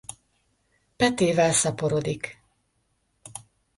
Petével szaporodik.